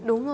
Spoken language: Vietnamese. đúng rồi ạ